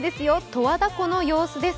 十和田湖の様子です。